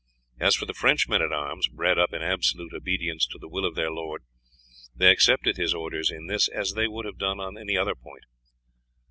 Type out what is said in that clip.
As for the French men at arms, bred up in absolute obedience to the will of their lord, they accepted his orders in this as they would have done on any other point.